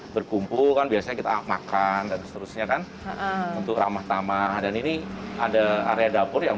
berkumpul kan biasanya kita makan dan seterusnya kan untuk ramah tamah dan ini ada area dapur yang